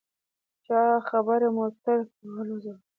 د چا خبره موټر به والوزووم.